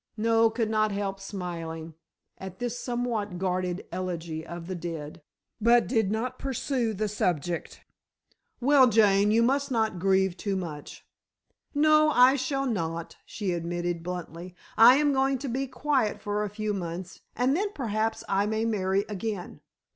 Noel could not help smiling at this somewhat guarded eulogy of the dead, but did not pursue the subject. "Well, Jane, you must not grieve too much." "No, I shall not," she admitted bluntly, "I am going to be quiet for a few months and then perhaps I may marry again.